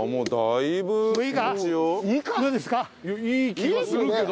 いやいい気がするけど。